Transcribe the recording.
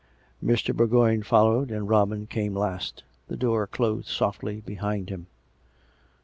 Mr. Bourgoign followed; and Robin came last. The door closed softly behind him.